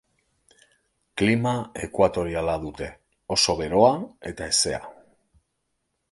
Klima ekuatoriala dute, oso beroa eta hezea.